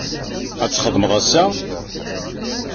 Ad txedmeḍ ass-a?